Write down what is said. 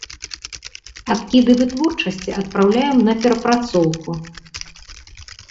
Адкіды вытворчасці адпраўляем на перапрацоўку.